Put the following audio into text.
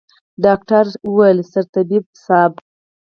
ډاکتر وويل سرطبيب صايب.